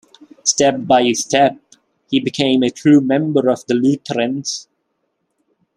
Step by step, he became a true member of the Lutherans.